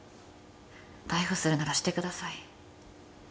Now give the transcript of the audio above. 「逮捕するならしてください」